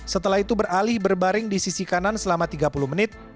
setelah itu beralih berbaring di sisi kanan selama tiga puluh menit